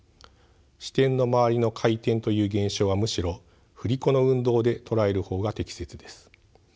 支点のまわりの回転という現象はむしろ振り子の運動で捉える方が適切です。